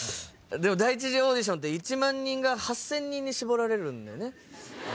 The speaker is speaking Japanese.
でも第１次オーディションって１万人が８０００人に絞られるんだよね。